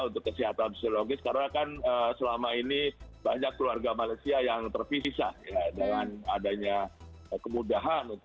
untuk kesehatan psikologis karena kan selama ini banyak keluarga malaysia yang terpisah dengan adanya kemudahan